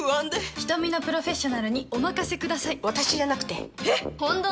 瞳のプロフェッショナルなので、おまかせください！